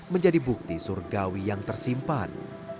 menjadi bukti surgawi yang tersimpan